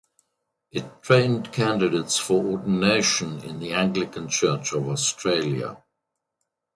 It trained candidates for ordination in the Anglican Church of Australia.